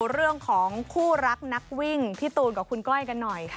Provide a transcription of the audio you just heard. เรื่องของคู่รักนักวิ่งพี่ตูนกับคุณก้อยกันหน่อยค่ะ